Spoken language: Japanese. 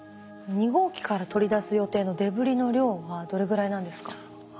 ２号機から取り出す予定のデブリの量はどれぐらいなんですか？